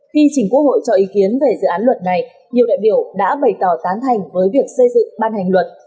khi chỉnh quốc hội cho ý kiến về dự án luật này nhiều đại biểu đã bày tỏ tán thành với việc xây dựng ban hành luật